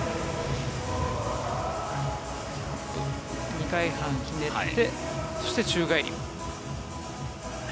２回半ひねってそして宙返り。